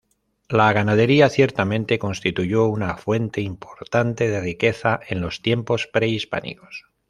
La ganadería ciertamente constituyó una fuente importante de riqueza en los tiempos prehispánicos.